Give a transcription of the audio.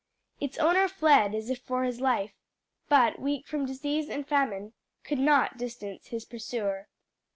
Its owner fled as if for his life, but, weak from disease and famine, could not distance his pursuer.